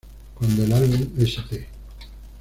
Cuando el álbum "St.